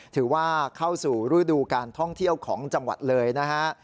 ถือว่าเข้าสู่ฤดูการท่องเที่ยวของจังหวัดเลยนะฮะ